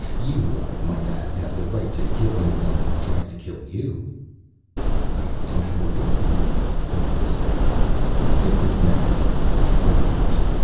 You, I might add, have the right to kill anyone who tries to kill you." "I don't have a weapon," Barrent said. "Victims never do," Frendlyer said.